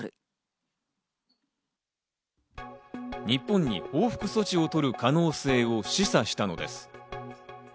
日本に報復措置をとる可能性を示唆したのです。